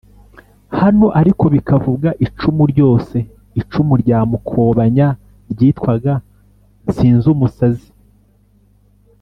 hano ariko bikavuga icumu ryose. Icumu rya Mukobanya ryitwaga Nsinzumusazi.